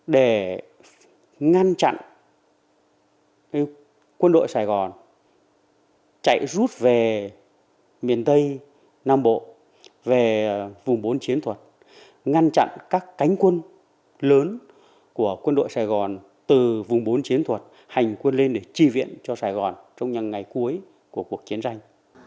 để ngăn chặn quân đội sài gòn chạy rút về miền tây nam bộ về vùng bốn chiến thuật ngăn chặn các cánh quân lớn của quân đội sài gòn từ vùng bốn chiến thuật hành quân lên để tri viện cho sài gòn trong những ngày cuối của cuộc chiến tranh